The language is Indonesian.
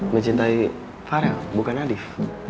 mencintai farel bukan nadif